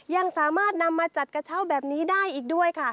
ยังสามารถนำมาจัดกระเช่าแบบนี้ได้อีกด้วยค่ะ